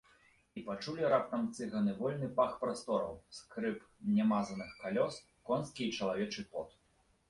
І пачулі раптам цыганы вольны пах прастораў, скрып нямазаных калёс, конскі і чалавечы пот.